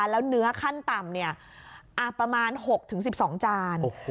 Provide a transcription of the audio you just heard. แล้วเนื้อขั้นต่ำประมาณ๖๑๒จาน